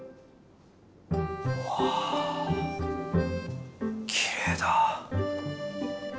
わあきれいだ。